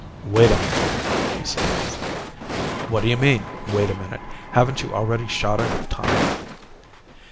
"Wait a minute," he said. "What d'you mean, 'wait a minute'? Haven't you already shot enough time?"